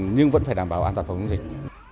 nhưng vẫn phải đảm bảo an toàn phòng dịch